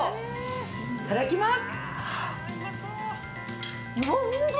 いただきます。